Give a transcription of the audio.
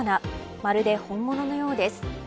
まるで本物のようです。